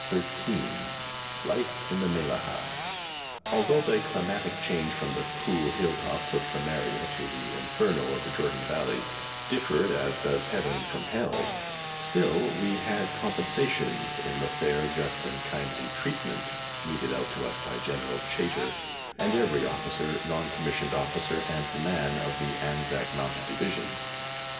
CHAPTER XIII. LIFE IN MELLAHAH. Although the climatic change from the cool hill tops of Samaria to the inferno of the Jordan Valley differed as does Heaven from Hell, still we had compensations in the fair, just, and kindly treatment meted out to us by General Chaytor and every officer, non commissioned officer, and man of the Anzac Mounted Division.